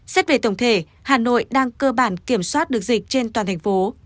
xét về tổng thể hà nội đang cơ bản kiểm soát được dịch trên toàn thành phố